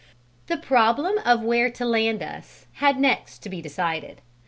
The problem of where to land us had next to be decided.